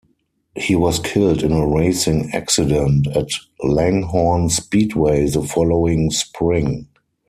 He was killed in a racing accident at Langhorne Speedway the following spring.